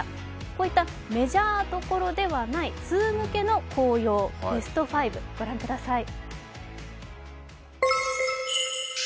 こういったメジャーどころではない通向けの紅葉ベスト５をご覧ください。